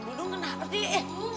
ambil dong kenapa sih